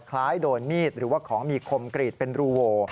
คล้ายโดนมีดหรือว่าของมีคมกรีดเป็นรูโว